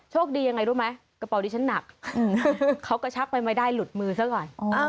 คดียังไงรู้ไหมกระเป๋าดิฉันหนักเขากระชักไปไม่ได้หลุดมือซะก่อน